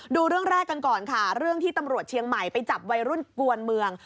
ดูเรื่องแรกกันก่อนค่ะเรื่องที่ตำรวจเชียงใหม่ไปจับวัยรุ่นกวนเมือง